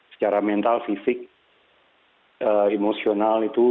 secara mental fisik emosional itu